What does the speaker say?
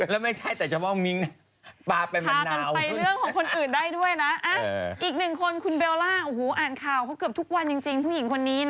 เราก็อยากเล่าตั้งแต่เริ่มรออยู่ไง